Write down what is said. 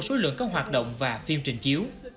số lượng các hoạt động và phim trình chiếu